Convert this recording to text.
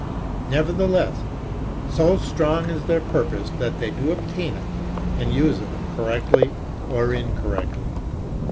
Nevertheless, so strong is their purpose that they do obtain it and use it, correctly or incorrectly.